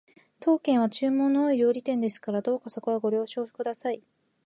当軒は注文の多い料理店ですからどうかそこはご承知ください